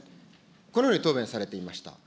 このように答弁されていました。